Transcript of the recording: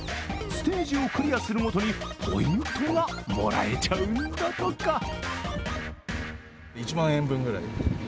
ステージをクリアするごとにポイントがもらえちゃうんだとか。